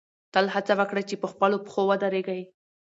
تل هڅه وکړئ چې په خپلو پښو ودرېږئ.